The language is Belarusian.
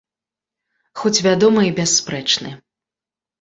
Хоць, вядома, і бясспрэчны.